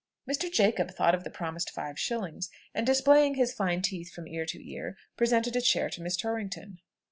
Mr. Jacob thought of the promised five shillings, and displaying his fine teeth from ear to ear, presented a chair to Miss Torrington.